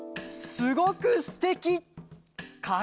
すごくすてき。